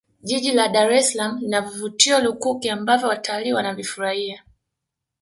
jiji la dar es salaam lina vivutio lukuki ambavyo watalii Wanavifurahia